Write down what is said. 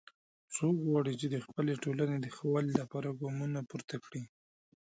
څوک غواړي چې د خپلې ټولنې د ښه والي لپاره ګامونه پورته کړي